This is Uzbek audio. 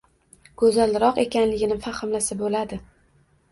Go’zalroq ekanligini fahmlasa bo’ladi.